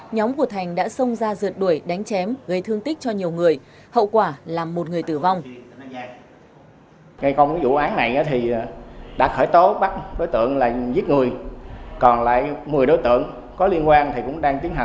nhóm của thành đã xông ra rượt đuổi đánh chém gây thương tích cho nhiều người hậu quả làm một người tử vong